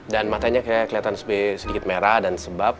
dan matanya kayak kelihatan sedikit merah dan sebab